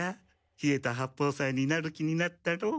稗田八方斎になる気になったろう？